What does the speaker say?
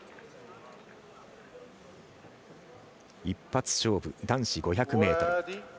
一発勝負、男子５００ｍ。